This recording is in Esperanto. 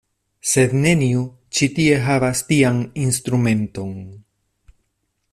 Sed neniu ĉi tie havas tian instrumenton.